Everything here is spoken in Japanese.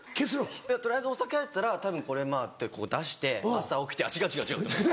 取りあえずお酒入ったらたぶん「これまぁ」ってこう出して朝起きて「あっ違う違う違う」みたいな。